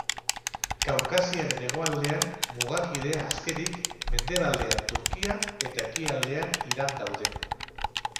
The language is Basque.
Kaukasiaren hegoaldean mugakide, azkenik, mendebaldean Turkia eta ekialdean Iran daude.